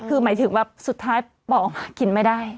คือหมายถึงแบบสุดท้ายป่อกินไม่ได้